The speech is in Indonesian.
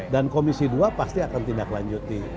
dan komisi dua pasti akan tindak lanjuti